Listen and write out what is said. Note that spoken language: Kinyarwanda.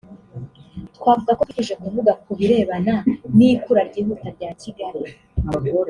twavuga ko twifuje kuvuga ku birebana n’ikura ryihuta rya Kigali